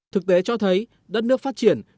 thực tế cho thấy đất nước phát triển